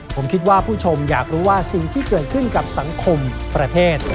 ผมคิดว่าผู้ชมอยากรู้ว่าสิ่งที่เกิดขึ้นกับสังคมประเทศ